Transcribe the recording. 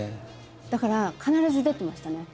だから必ず出てましたね